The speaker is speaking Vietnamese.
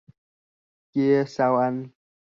Kìa Sao Anh